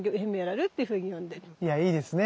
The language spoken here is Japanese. いやいいですね。